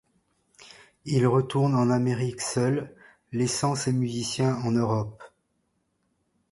Il retourne en Amérique seul, laissant ses musiciens en Europe.